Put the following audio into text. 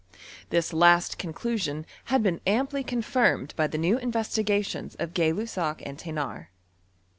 This last conclusion had been amply con iinBed by the new investigations of Gay Lussac and Thenard.